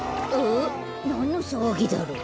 なんのさわぎだろう。